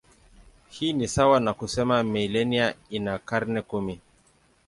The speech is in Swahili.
Hii ni sawa na kusema milenia ina karne kumi.